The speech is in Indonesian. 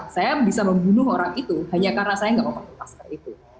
saya bisa membunuh orang itu hanya karena saya nggak mau pakai masker itu